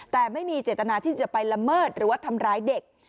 แต่ไม่มีเจตนาที่จะไปละเมิดหรือว่าทำร้ายเด็ก